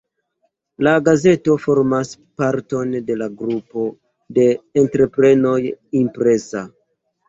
La gazeto formas parton de la grupo de entreprenoj "Impresa".